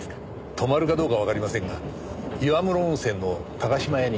泊まるかどうかわかりませんが岩室温泉の島屋に。